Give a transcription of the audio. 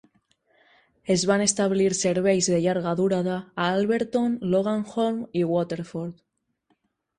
Es van establir serveis de llarga durada a Alberton, Loganholme i Waterford.